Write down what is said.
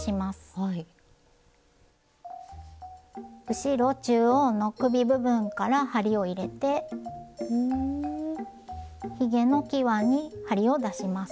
後ろ中央の首部分から針を入れてひげのきわに針を出します。